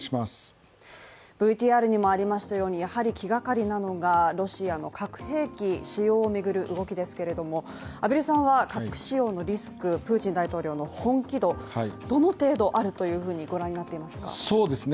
ＶＴＲにもありましたように、気がかりなのがロシアの核兵器使用を巡る動きですけれども畔蒜さんは、核使用のリスク、プーチン大統領の本気度どの程度あると御覧になっていますか？